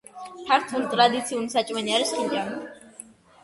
ქართული ტრადიციული საჭმელი არის ხინკალი